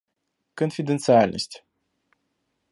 Конфиденциальность